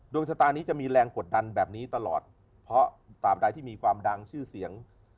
ชะตานี้จะมีแรงกดดันแบบนี้ตลอดเพราะตามใดที่มีความดังชื่อเสียง